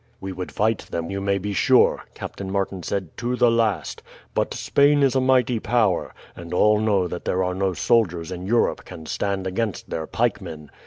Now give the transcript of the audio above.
"We would fight them, you may be sure," Captain Martin said, "to the last; but Spain is a mighty power, and all know that there are no soldiers in Europe can stand against their pikemen.